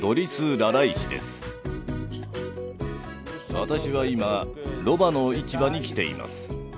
私は今ロバの市場に来ています。